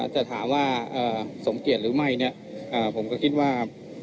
จะถามว่าสมเกียจหรือไม่ผมก็คิดว่า